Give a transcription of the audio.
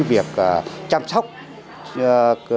việc chăm sóc